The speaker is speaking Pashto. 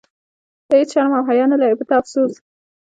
ته هیڅ شرم او حیا نه لرې، په تا افسوس.